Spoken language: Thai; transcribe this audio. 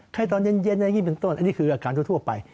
ให้ตอนเย็นอะไรอย่างนี้เป็นต้นอันนี้คืออาการทั่วไป